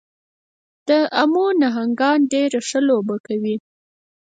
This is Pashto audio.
د امو نهنګان ډېره ښه لوبه کوي.